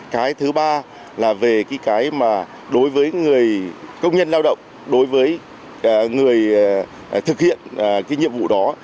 cái thứ ba là về cái mà đối với người công nhân lao động đối với người thực hiện cái nhiệm vụ đó